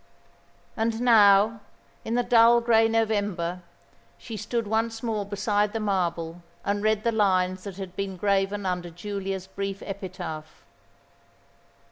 And now, in the dull grey November, she stood once more beside the marble and read the lines that had been graven under Giulia's brief epitaph.